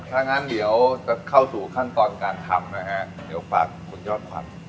ถ้างั้นเดี๋ยวจะเข้าสู่ขั้นตอนการทำนะฮะเดี๋ยวฝากคุณยอดขวัญ